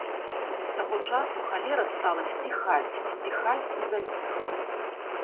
З таго часу халера стала сціхаць, сціхаць і заціхла.